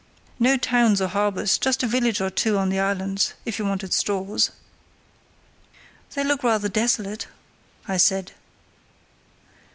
No towns or harbours, just a village or two on the islands, if you wanted stores." "They look rather desolate," I said.